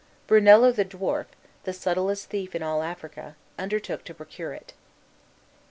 Brunello the dwarf, the subtlest thief in all Africa, undertook to procure it.